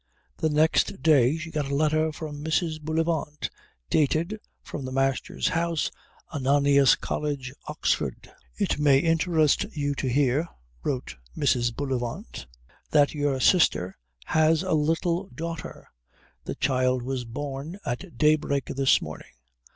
The next day she got a letter from Mrs. Bullivant, dated from the Master's House, Ananias College, Oxford. "It may interest you to hear," wrote Mrs. Bullivant, "_that your sister has a little daughter. The child was born at daybreak this morning.